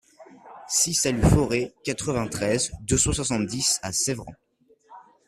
six allée Fauré, quatre-vingt-treize, deux cent soixante-dix à Sevran